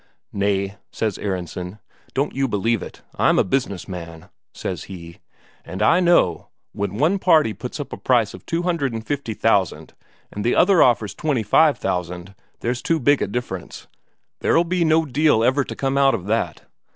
'Nay,' says Aronsen, 'don't you believe it. I'm a business man,' says he, 'and I know when one party puts up a price of two hundred and fifty thousand, and the other offers twenty five thousand, there's too big a difference; there'll be no deal ever come out of that.